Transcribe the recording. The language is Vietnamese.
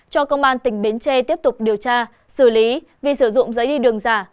cho công an tỉnh bến tre tiếp tục điều tra xử lý vì sử dụng giấy đi đường giả